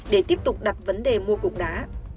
để tiếp tục đặt vấn đề mua cục đá